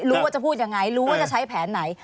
ว่าจะพูดยังไงรู้ว่าจะใช้แผนไหน